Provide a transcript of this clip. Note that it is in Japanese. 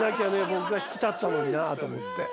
僕が引き立ったのになぁと思って。